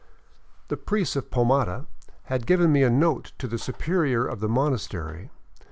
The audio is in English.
The priest of Pomata had given me a note to the superior of the monastery.